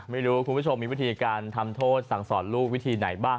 ไม่รู้คุณผู้ชมมีวิธีการทำโทษสั่งสอนลูกวิธีไหนบ้าง